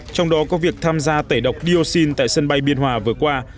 trong đó có việc tham gia tẩy độc dioxin tại sân bay biên hòa vừa qua